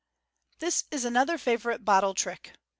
— This is another favourite bottk trick.